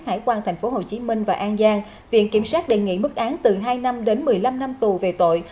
hải quan tp hcm và an giang viện kiểm sát đề nghị mức án từ hai năm đến một mươi năm năm tù về tội